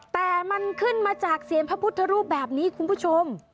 แต่มันขึ้นมาจากเสียงพระพุทธรูปแบบนี้คุณผู้ชม